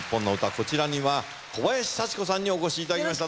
こちらには小林幸子さんにお越しいただきました。